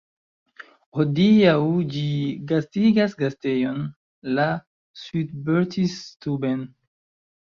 Hodiaŭ ĝi gastigas gastejon, la „Suitbertus-Stuben".